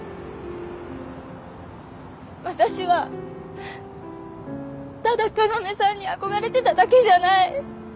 私はただ要さんに憧れてただけじゃない。